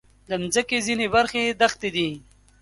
د مځکې ځینې برخې دښتې دي.